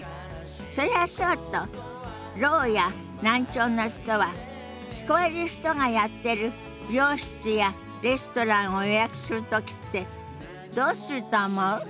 それはそうとろうや難聴の人は聞こえる人がやってる美容室やレストランを予約する時ってどうすると思う？